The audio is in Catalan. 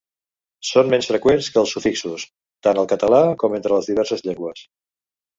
Són menys freqüents que els sufixos, tant al català com entre les diverses llengües.